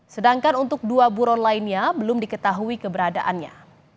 sedangkan untuk dua buron lainnya belum diketahui keberadaannya